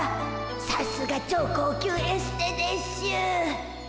さすが超高級エステでしゅ。